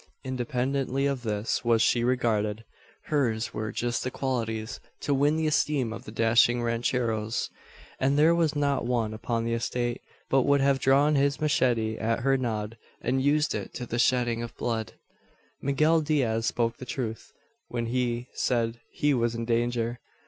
Independently of this was she regarded. Hers were just the qualities to win the esteem of the dashing rancheros; and there was not one upon the estate, but would have drawn his machete at her nod, and used it to the shedding of blood. Miguel Diaz spoke the truth, when he said he was in danger.